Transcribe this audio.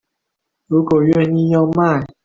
如果願意要賣